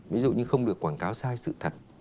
ví dụ như không được quảng cáo sai sự thật